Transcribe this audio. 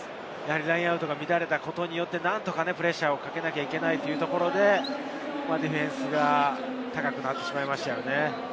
ラインアウトが乱れたことによって、プレッシャーをかけなければいけないので、ディフェンスが高くなってしまいましたね。